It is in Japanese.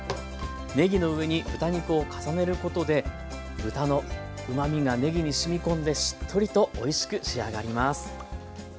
ねぎの上に豚肉を重ねることで豚のうまみがねぎにしみこんでしっとりとおいしく仕上がります。